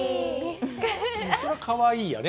それはかわいいやね。